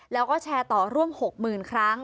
แล้วก็แชร์ต่อร่วม๖๐๐๐ครั้ง